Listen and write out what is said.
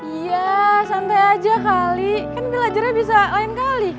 iya santai aja kali kan belajarnya bisa lain kali